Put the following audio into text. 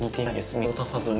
水を足さずに。